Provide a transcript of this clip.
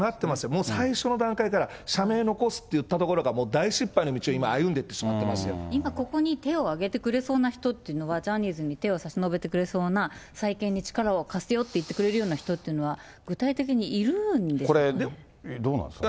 もう最初の段階から、社名を残すって言ったところから、もう大失敗の道を今歩んでいって今ここに手を挙げてくれそうな人というのは、ジャニーズに手を差し伸べてくれそうな、再建に力を貸すよって言ってくれるような人っていうのは、具体的これ、どうなんですかね。